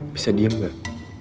bisa diem gak